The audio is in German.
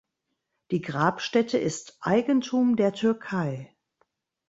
Die Grabstätte ist Eigentum der Türkei.